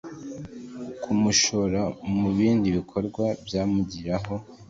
kumushora mu bindi bikorwa byamugiraho